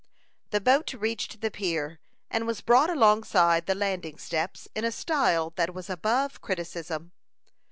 The boat reached the pier, and was brought alongside the landing steps, in a style that was above criticism.